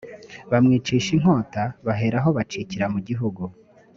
bamwicisha inkota baherako bacikira mu gihugu